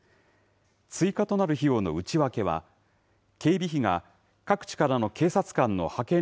追加となる費用の内訳は、警備費が、各地からの警察官の派遣